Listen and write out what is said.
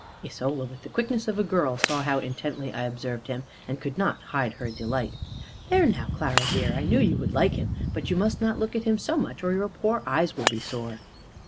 Isola, with the quickness of a girl, saw how intently I observed him, and could not hide her delight. "There now, Clara dear, I knew you would like him. But you must not look at him so much, or your poor eyes will be sore."